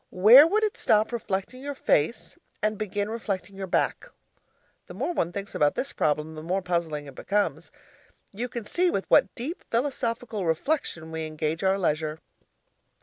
Where would it stop reflecting your face and begin reflecting your back? The more one thinks about this problem, the more puzzling it becomes. You can see with what deep philosophical reflection we engage our leisure!